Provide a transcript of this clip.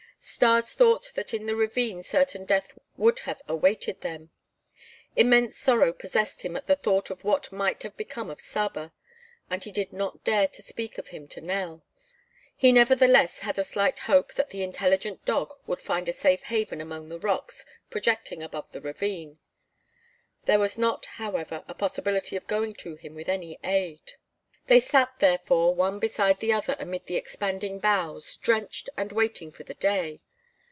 Stas thought that in the ravine certain death would have awaited them. Immense sorrow possessed him at the thought of what might have become of Saba, and he did not dare to speak of him to Nell. He, nevertheless, had a slight hope that the intelligent dog would find a safe haven among the rocks projecting above the ravine. There was not, however, a possibility of going to him with any aid. They sat, therefore, one beside the other amid the expanding boughs, drenched and waiting for the day.